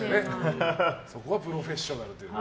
そこはプロフェッショナルという。